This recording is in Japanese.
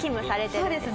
そうですね。